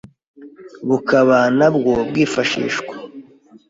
bukaba na bwo bwifashishwa